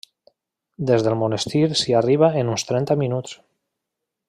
Des del Monestir s’hi arriba en uns trenta minuts.